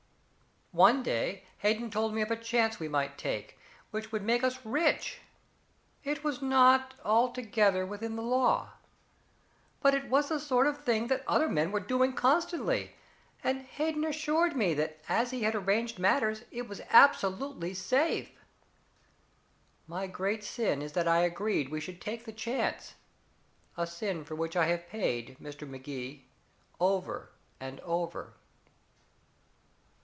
"One day Hayden told me of a chance we might take which would make us rich. It was not altogether within the law. But it was the sort of thing that other men were doing constantly, and Hayden assured me that as he had arranged matters it was absolutely safe. My great sin is that I agreed we should take the chance a sin for which I have paid, Mr. Magee, over and over."